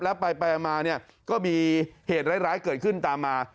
แล้วไปมาเนี่ยก็มีเหตุร้ายเกิดขึ้นตามมา